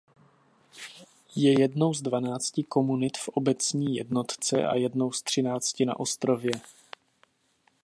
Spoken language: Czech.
Je jednou z dvanácti komunit v obecní jednotce a jednou z třinácti na ostrově.